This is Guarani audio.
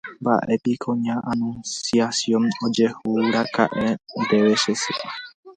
Mba'épiko ña Anunciación ojehúraka'e ndéve che sy.